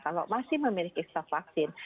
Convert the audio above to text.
kalau masih memiliki staf vaksin